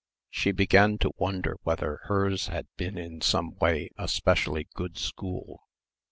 4 She began to wonder whether hers had been in some way a specially good school.